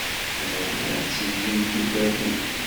Ẓriɣ ad tilim tugadem.